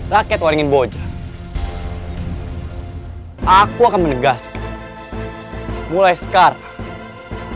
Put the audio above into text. rakyat waringin boja aku akan menegaskan mulai sekarang